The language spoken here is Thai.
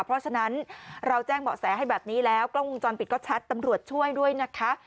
เพราะฉะนั้นเราแจ้งเบาะแสให้แบบนี้แล้วกล้องวงจรปิดก็ชัดตำรวจช่วยด้วยนะคะ